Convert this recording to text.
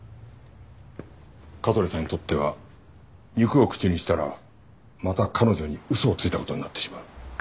香取さんにとっては肉を口にしたらまた彼女に嘘をついた事になってしまう。